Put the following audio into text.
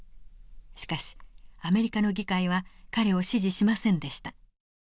しかしアメリカの議会は彼を支持しませんでした。